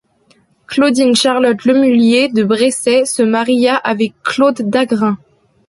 Claudine Charlotte Lemullier de Bressey se maria avec Claude d'Agrain.